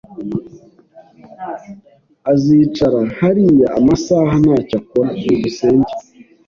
Azicara hariya amasaha ntacyo akora. byukusenge